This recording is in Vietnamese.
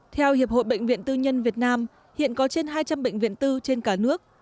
theo hiệp hội bệnh viện tư nhân việt nam hiện có trên hai trăm linh bệnh viện tư trên cả nước